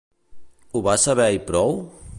Ho vas saber i prou?